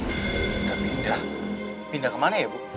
udah pindah pindah ke mana ya bu